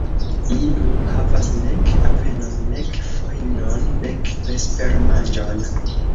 Mi nun havas nek avenon, nek fojnon, nek vespermanĝon.